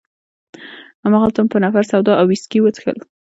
هماغلته مو په نفر سوډا او ویسکي وڅښل.